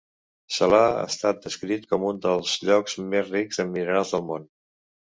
Se l'ha estat descrit com un dels llocs més rics en minerals del món.